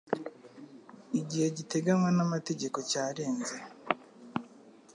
igihe giteganywa n'amategeko cyarenze.